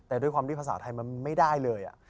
แต่ด้วยความที่ภาษาไทยมันไม่ได้เลย